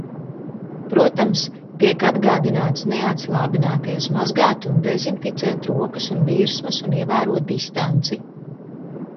Protams, tiek atgādināts neatslābināties, mazgāt un dezinficēt rokas un virsmas un ievērot distanci.